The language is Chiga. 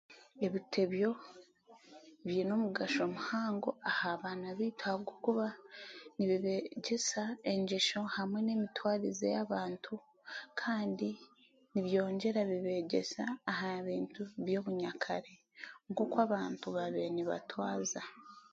Ebitebyo b'ine omugasho muhango aha baana beitu ahabw'okuba nibibegyesa engesho hamwe n'emitwarize y'abaantu kandi nibyongera bibegyesa aha bintu by'obunyakare nk'oku abantu babire nibetwaaza.